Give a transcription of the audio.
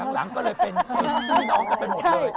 หลังก็เลยเป็นพี่น้องกันไปหมดเลย